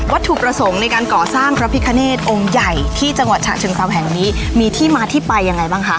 ถูกประสงค์ในการก่อสร้างพระพิคเนธองค์ใหญ่ที่จังหวัดฉะเชิงเซาแห่งนี้มีที่มาที่ไปยังไงบ้างคะ